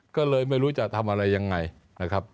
ก็เลยไม่รู้จะทำอะไรยังไงนะครับ